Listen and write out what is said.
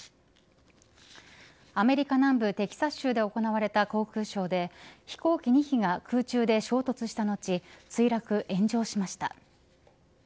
アメリカ南部、テキサス州で行われた航空ショーで飛行機２機が空中で衝突した後墜落、炎上しました。